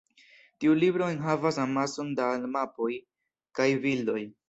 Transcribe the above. Tiu libro enhavas amason da mapoj kaj bildoj.